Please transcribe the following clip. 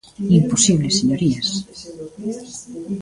¡Imposible, señorías!